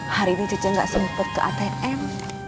hari ini cicen gak sempet ke atm